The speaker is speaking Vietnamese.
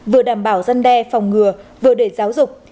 vừa đảm bảo dân đe phòng ngừa vừa để giáo dục